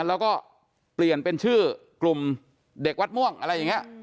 แล้วก็เปลี่ยนเป็นชื่อกลุ่มเด็กวัดม่วงอะไรอย่างนี้